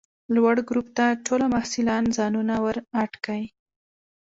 لوړ ګروپ ته ټوله محصلان ځانونه ور اډ کئ!